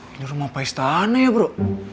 ini rumah paistane ya bro